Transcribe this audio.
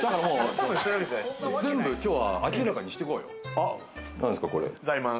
全部きょう明らかにしていこうよ。